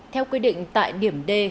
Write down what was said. theo quy định tại điểm d